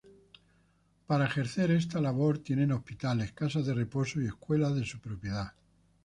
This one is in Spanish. Para ejercer esta labor, tienen hospitales, casas de reposo y escuelas de su propiedad.